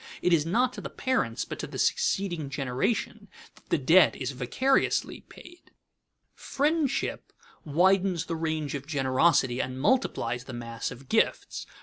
It is not to the parents, but to the succeeding generation, that the debt is vicariously paid. [Sidenote: And in larger circles] Friendship widens the range of generosity and multiplies the mass of gifts.